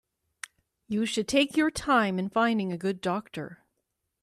You should take your time in finding a good doctor.